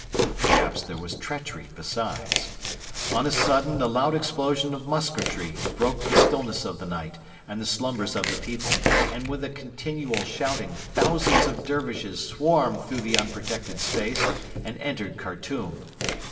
Perhaps there was treachery besides. On a sudden the loud explosion of musketry broke the stillness of the night and the slumbers of the people; and with a continual shouting thousands of Dervishes swarmed through the unprotected space and entered Khartoum.